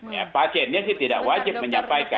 ya pasiennya sih tidak wajib menyampaikan